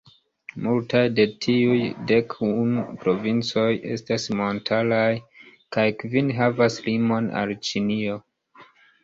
Multaj de tiuj dek unu provincoj estas montaraj, kaj kvin havas limon al Ĉinio.